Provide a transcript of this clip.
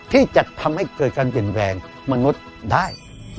ที่จะทำให้เกิดการเปลี่ยนแปลงมนุษย์ได้